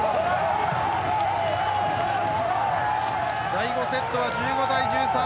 第５セットは１５対１３。